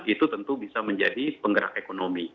itu tentu bisa menjadi penggerak ekonomi